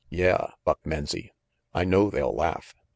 Yeah, Buck Menzie, I know they'll laugh.